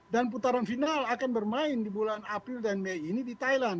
putaran final akan bermain di bulan april dan mei ini di thailand